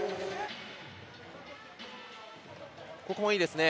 ここもいいですね。